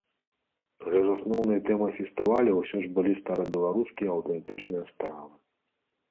Але ж асноўнай тэмай фестывалю ўсё ж былі старабеларускія аўтэнтычныя стравы.